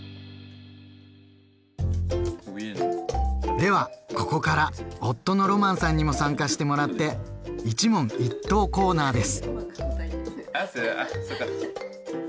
ではここから夫のロマンさんにも参加してもらって一問一答コーナーです！